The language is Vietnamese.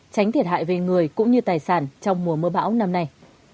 tránh thiệt hại về người cũng như tài sản trong mùa mưa bão năm nay